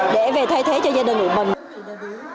để về thay thế cho gia đình của mình